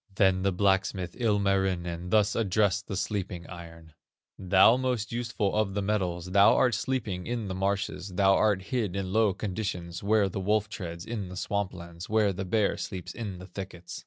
"Then the blacksmith, Ilmarinen, Thus addressed the sleeping iron: 'Thou most useful of the metals, Thou art sleeping in the marshes, Thou art hid in low conditions, Where the wolf treads in the swamp lands, Where the bear sleeps in the thickets.